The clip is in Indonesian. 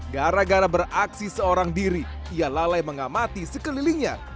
gara gara beraksi seorang diri ia lalai mengamati sekelilingnya